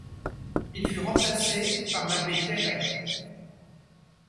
Il fut remplacé par l'abbé Terray.